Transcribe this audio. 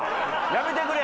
やめてくれ！